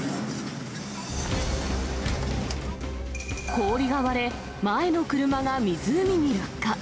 氷が割れ、前の車が湖に落下。